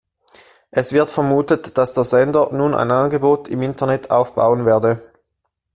Es wird vermutet, dass der Sender nun ein Angebot im Internet aufbauen werde.